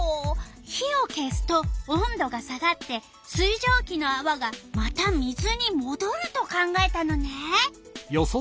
火を消すと温度が下がって水じょうきのあわがまた水にもどると考えたのね。